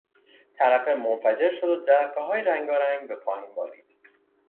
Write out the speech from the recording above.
ترقه منفجر شد و جرقههای رنگارنگ به پایین بارید.